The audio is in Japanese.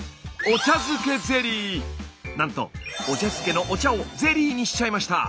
なんとお茶漬けのお茶をゼリーにしちゃいました。